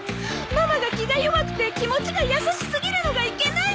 ママが気が弱くて気持ちが優しすぎるのがいけないのよ！